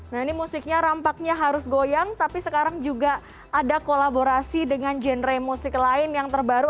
nah ini musiknya rampaknya harus goyang tapi sekarang juga ada kolaborasi dengan genre musik lain yang terbaru